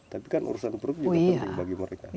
tapi kan urusan perut juga penting bagi mereka